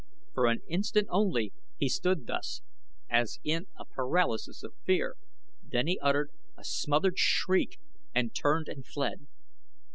For an instant only he stood thus as in a paralysis of fear, then he uttered a smothered shriek and turned and fled.